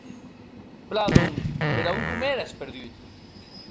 Plan, donc, per a on romères perdut?